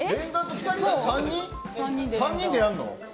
３人でやるの。